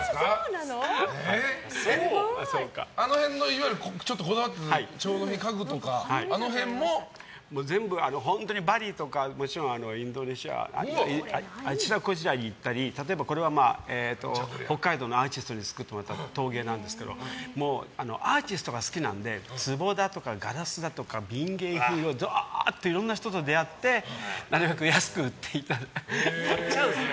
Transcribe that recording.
あの辺のいわゆるこだわってる調度品家具とか全部バリとかインドネシアあちらこちらに行ったりこれは北海道のアーティストに作ってもらった陶芸なんですけどアーティストが好きなのでつぼだとかガラスだとか民芸品をどーっといろんな人と出会ってなるべく安く売っていただいて。